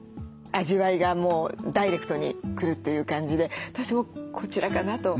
味わいがもうダイレクトに来るという感じで私もこちらかなと。